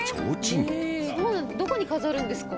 どこに飾るんですか？